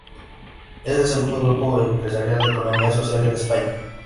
Es el segundo grupo empresarial de economía social en España.